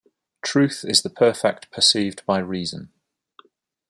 Truth is the perfect perceived by reason.